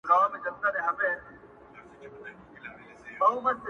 هره شېبه،